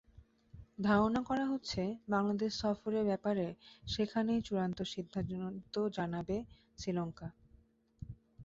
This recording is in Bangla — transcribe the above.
ধারণা করা হচ্ছে, বাংলাদেশ সফরের ব্যাপারে সেখানেই চূড়ান্ত সিদ্ধান্ত জানাবে শ্রীলঙ্কা।